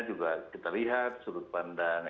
juga kita lihat sudut pandang